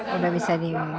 sudah bisa dinikmati